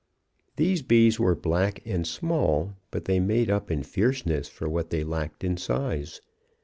"These bees were black and small; but they made up in fierceness for what they lacked in size.